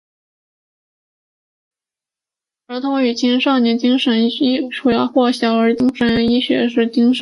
儿童与青少年精神医学或小儿精神医学是精神医学的一个分支。